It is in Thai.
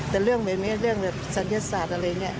แต่เรื่องแบบนี้เรื่องแบบศัลยศาสตร์อะไรอย่างนี้